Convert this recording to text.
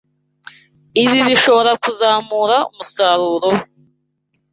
Ibi ibishobora kuzamura umusaruro we